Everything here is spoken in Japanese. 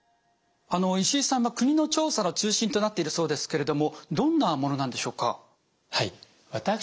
石井さんは国の調査の中心となっているそうですけれどもどんなものなんでしょうか？